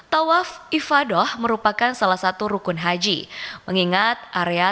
tawaf ifadah merupakan salah satu hal yang harus dilakukan